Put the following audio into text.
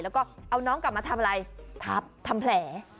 แล้วก็เอาน้องกลับมาทำอะไรทับทำแผล